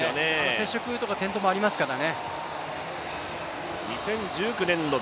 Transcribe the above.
接触とか転倒もありますから。